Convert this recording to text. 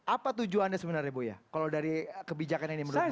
apa tujuan anda sebenarnya buya kalau dari kebijakan ini menurut buya